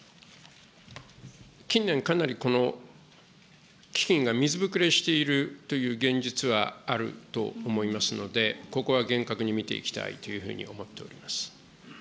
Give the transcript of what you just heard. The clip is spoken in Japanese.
近年、かなりこの基金が水膨れしているという現実はあると思いますので、ここは厳格に見ていきたいというふうに思っております。